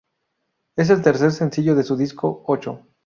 Es el tercer sencillo de su disco Ocho.